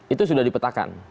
itu sudah dipetakan